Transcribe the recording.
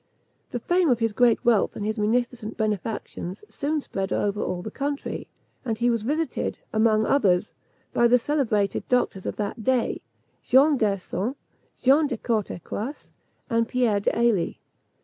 The fame of his great wealth and his munificent benefactions soon spread over all the country, and he was visited, among others, by the celebrated doctors of that day, Jean Gerson, Jean de Courtecuisse, and Pierre d'Ailli.